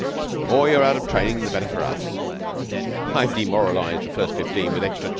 "The more you're out of training the better for us. I've demoralized the First Fifteen with extra tu."